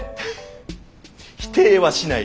否定はしない。